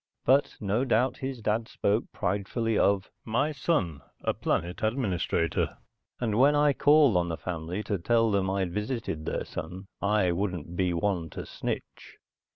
But no doubt his dad spoke pridefully of "My son, a planet administrator," and when I called on the family to tell them I'd visited their son, I wouldn't be one to snitch.